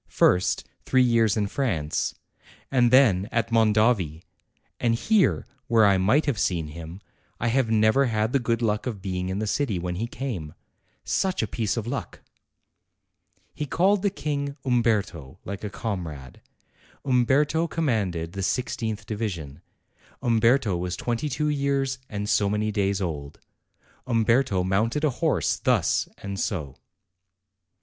First, three years in France, and then at Mondovi, and here, where I might have seen him, I have never had the good luck of being in the city when he came. Such a piece of luck!" He called the King "Umberto," like a comrade. Umberto commanded the i6th division; Umberto was twenty two years and so many days old; Umberto mounted a horse thus and o.